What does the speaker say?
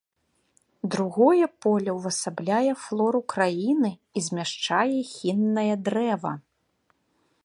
Другое поле ўвасабляе флору краіны і змяшчае хіннае дрэва.